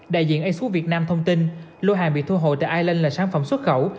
đại diện asicut việt nam thông tin lô hàng bị thu hồi tại island là sản phẩm xuất khẩu